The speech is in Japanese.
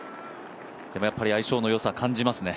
でも相性のよさは感じますよね。